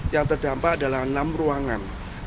yang terdampak adalah enam ruangan